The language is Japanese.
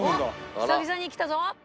久々にきたぞ！